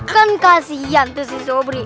kan kasihan tuh si sobri